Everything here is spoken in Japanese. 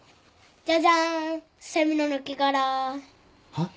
はっ？